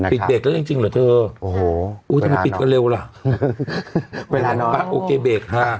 ปิดเบรกแล้วจริงจริงหรอเธอโอ้โหโอ้ยทำไมปิดกันเร็วล่ะเวลานอนโอเคเบรกครับ